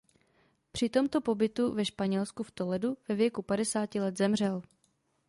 Při tomto pobytu ve Španělsku v Toledu ve věku padesáti let zemřel.